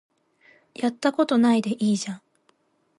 やったことないでいいじゃん